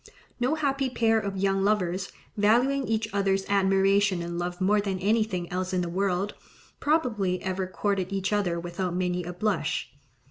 No happy pair of young lovers, valuing each other's admiration and love more than anything else in the world, probably ever courted each other without many a blush.